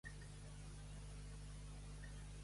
En què va ser una persona moderna, com a mostra?